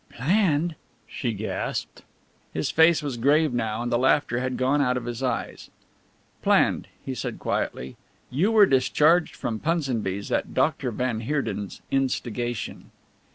"Planned!" she gasped. His face was grave now and the laughter had gone out of his eyes. "Planned," he said quietly. "You were discharged from Punsonby's at Doctor van Heerden's instigation."